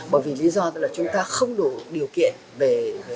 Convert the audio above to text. bởi vì lý do tức là chúng ta không đủ điều kiện về